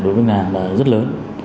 đối với ngân hàng là rất lớn